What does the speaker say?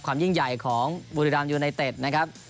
ยิ่งใหญ่ของบุรีรามยูไนเต็ดนะครับ